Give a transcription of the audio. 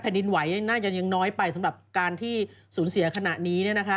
ดินไหวน่าจะยังน้อยไปสำหรับการที่สูญเสียขณะนี้